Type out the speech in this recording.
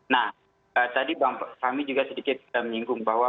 nah tadi bang fahmi juga sedikit menyinggung bahwa